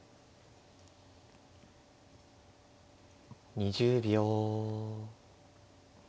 ２０秒。